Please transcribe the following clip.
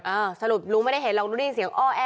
เออสรุปลุงไม่ได้เล่นรู้ได้ยินเสียงอ้อแอ